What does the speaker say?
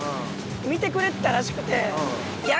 見てくれてたらしくて。